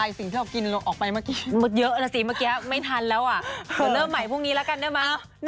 เยอะน่ะสิเมื่อกี้ไม่ทันแล้วอ่ะเดี๋ยวเริ่มใหม่พรุ่งนี้แล้วกันได้ไหม